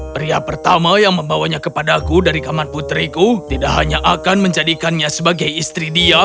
pria pertama yang membawanya kepadaku dari kamar putriku tidak hanya akan menjadikannya sebagai istri dia